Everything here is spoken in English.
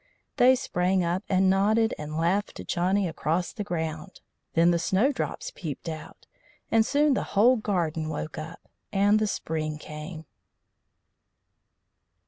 They sprang up and nodded and laughed to Johnny across the ground. Then the snowdrops peeped out, and soon the whole garden woke up, and the spring came.